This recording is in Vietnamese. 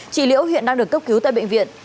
chị liễu hiện đang được cấp cứu tại bệnh viện